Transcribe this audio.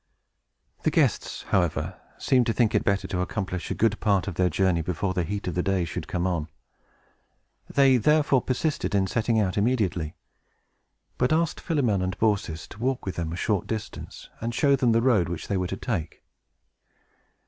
The guests, however, seemed to think it better to accomplish a good part of their journey before the heat of the day should come on. They, therefore, persisted in setting out immediately, but asked Philemon and Baucis to walk forth with them a short distance, and show them the road which they were to take.